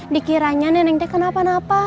dikiranya neneng teh kenapa napa